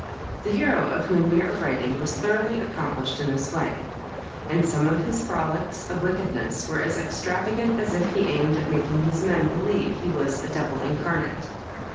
The hero of whom we are writing was thoroughly accomplished in this way, and some of his frolics of wickedness were as extravagant as if he aimed at making his men believe he was a devil incarnate.